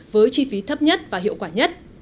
với chi phí thấp nhất và hiệu quả nhất